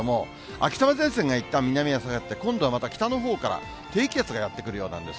秋雨前線がいったん南へ下がって、今度はまた北のほうから低気圧がやって来るようなんです。